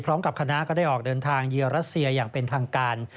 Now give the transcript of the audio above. พร้อมกับคณะก็ได้ออกเดินทางเยือรัสเซียอย่างเป็นทางการ